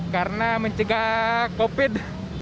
karena mencegah covid